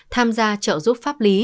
tham gia trợ giúp pháp lý